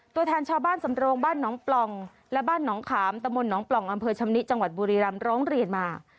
ตัวแทนชาวบ้านสำโรงบ้านหนองปล่องและบ้านหนองขามตะมนตหนองปล่องอำเภอชำนิจังหวัดบุรีรำร้องเรียนมา